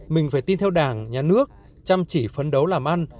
mình phải tin theo đảng nhà nước chăm chỉ phấn đấu làm ăn